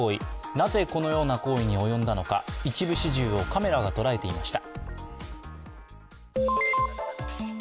なぜ、このような行為に及んだのか一部始終をカメラが捉えていました。